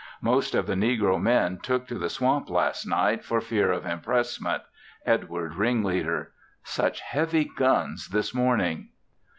Most of the negro men took to the swamp last night for fear of impressment, Edward ringleader! Such heavy guns this morning!